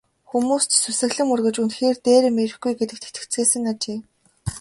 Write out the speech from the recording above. Хүмүүс ч сүсэглэн мөргөж үнэхээр дээрэм ирэхгүй гэдэгт итгэцгээсэн ажээ.